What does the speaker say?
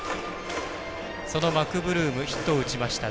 マクブルームヒットを打ちました。